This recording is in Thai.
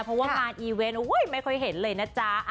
เพราะว่างานอีเวนต์ไม่ค่อยเห็นเลยนะจ๊ะ